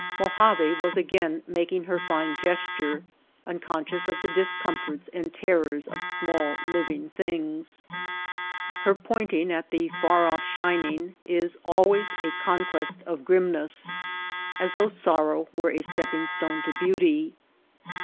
Mojave was again making her fine gesture, unconscious of the discomforts and terrors of small living things. Her pointing at the far off shining is always a White Heart of Mojave conquest of grimness, as though sorrow were a stepping stone to beauty.